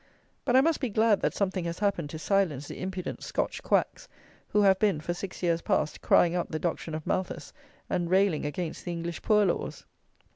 But I must be glad that something has happened to silence the impudent Scotch quacks, who have been, for six years past, crying up the doctrine of Malthus, and railing against the English poor laws.